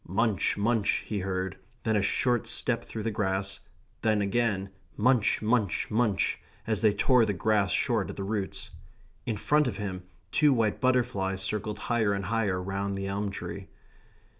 Munch, munch, he heard; then a short step through the grass; then again munch, munch, munch, as they tore the grass short at the roots. In front of him two white butterflies circled higher and higher round the elm tree.